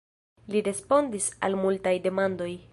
Li respondis al multaj demandoj.